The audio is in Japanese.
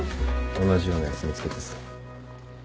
同じようなやつ見つけてさ。